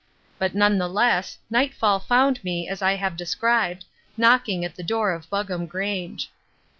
But none the less nightfall found me, as I have described, knocking at the door of Buggam Grange.